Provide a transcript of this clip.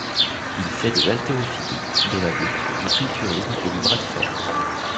Il fait de l'haltérophilie, de la lutte, du culturisme et du bras de fer.